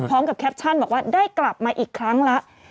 แคปชั่นบอกว่าได้กลับมาอีกครั้งแล้ว